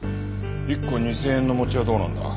１個２０００円の餅はどうなんだ？